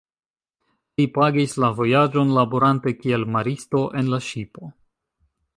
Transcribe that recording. Li pagis la vojaĝon laborante kiel maristo en la ŝipo.